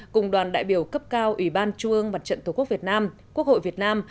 cùng đoàn đại biểu cấp cao ủy ban trung ương mặt trận tổ quốc việt nam quốc hội việt nam